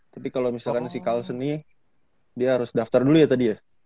tapi kalo misalkan si carlsen nih dia harus daftar dulu ya tadi ya